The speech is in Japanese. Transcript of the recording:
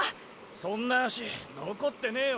そんな脚残ってねえよ。